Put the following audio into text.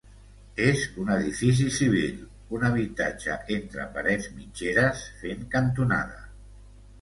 És un edifici civil, un habitatge entre parets mitgeres, fent cantonada.